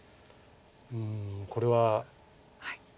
うんこれは。